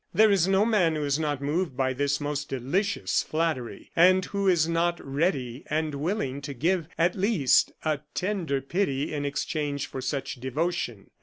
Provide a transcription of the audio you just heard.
There is no man who is not moved by this most delicious flattery, and who is not ready and willing to give, at least, a tender pity in exchange for such devotion.